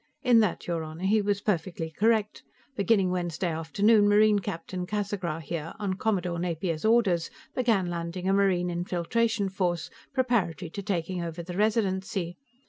In that, your Honor, he was perfectly correct; beginning Wednesday afternoon, Marine Captain Casagra, here, on Commodore Napier's orders, began landing a Marine infiltration force, preparatory to taking over the Residency.